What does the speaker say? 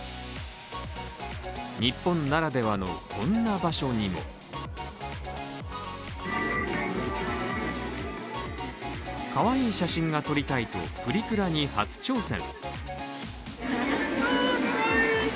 日本ならではの、こんな場所にもかわいい写真が撮りたいとプリクラに初挑戦。